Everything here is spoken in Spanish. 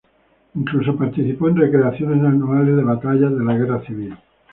Incluso participó en recreaciones anuales de batallas de la Guerra Civil.